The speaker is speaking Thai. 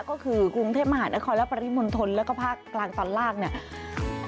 ก็คือกรุงเทพมหานครและปริมณฑลแล้วก็ภาคกลางตอนล่างเนี่ย